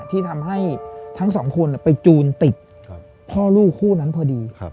ที่ทำให้ทั้งสองคนไปจูนติดพ่อลูกคู่นั้นพอดี